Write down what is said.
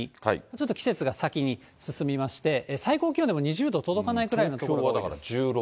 ちょっと季節が先に進みまして、最高気温でも２０度届かないくらいの所が多いです。